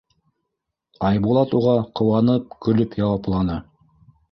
Айбулат уға ҡыуанып, көлөп яуапланы: